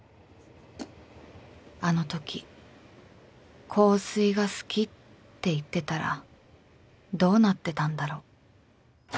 あのとき香水が好きって言ってたらどうなってたんだろう